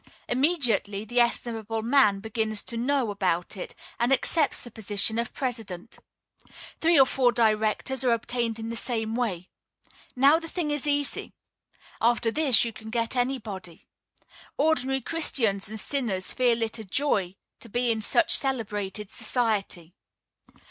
Immediately the estimable man begins to "know about it," and accepts the position of president. Three or four directors are obtained in the same way. Now the thing is easy. After this you can get anybody. Ordinary Christians and sinners feel it a joy to be in such celebrated society.